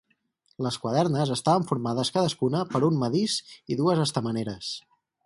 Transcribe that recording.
Les quadernes estaven formades cadascuna per un medís i dues estameneres.